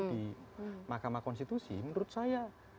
di mahkamah konstitusi menurut saya